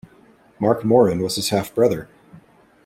Mark Moran was his half-brother.